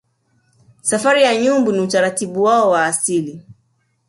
Safari ya Nyumbu ni utaratibu wao wa asili